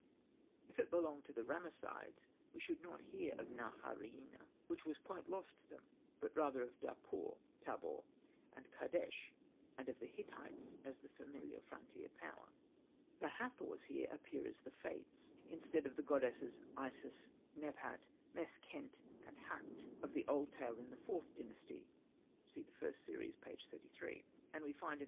If it belonged to the Ramessides we should not hear of Naharaina, which was quite lost to them, but rather of Dapur (Tabor) and Kadesh, and of the Hittites as the familiar frontier power. The Hathors here appear as the Fates, Hosted by Google 30 THE DOOMED PRINCE instead of the goddesses Isis, Nebhat, Mes khent, and Hakt, of the old tale in the IVth Dynasty (see first series, p. 33) ; and we find in